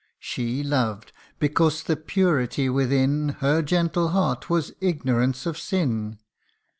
She loved, because the purity within Her gentle heart was ignorance of sin.